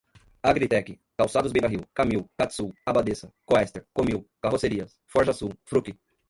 Agritech, Calçados Beira-Rio, Camil, Catsul, Abadessa, Coester, Comil, Carrocerias, Forjasul, Fruki